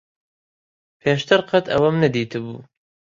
پێشتر قەت ئەوەم نەدیتبوو.